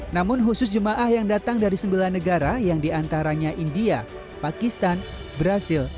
namun khusus jemaah yang datang dari sembilan negara yang diantaranya india pakistan brazil